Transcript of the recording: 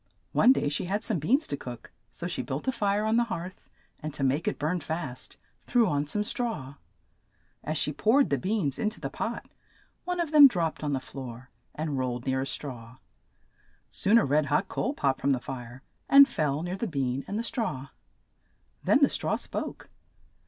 One day she had some beans to cook, so she built a fire on the hearth, and to make it burn fast threw on some straw. As she poured the beans in to the pot, one of them dropped on the floor and rolled near a straw. Soon a red hot coal popped from the fire, and fell near the bean and the straw. Then the straw spoke.